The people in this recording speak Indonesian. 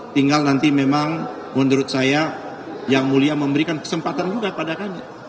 tinggal nanti memang menurut saya yang mulia memberikan kesempatan juga pada kami